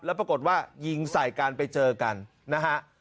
แล้วปรากฏว่ายิงใส่กันไปเจอกันนะฮะ